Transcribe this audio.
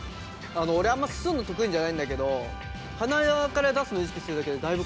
俺あんまりすするの得意じゃないんだけど鼻側から出すの意識するだけでだいぶ変わるわ。